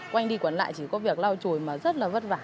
quanh đi còn lại chỉ có việc lau chùi mà rất là vất vả